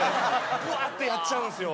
ブワッてやっちゃうんですよ。